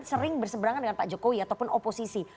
sering berseberangan dengan pak jokowi ataupun oposisi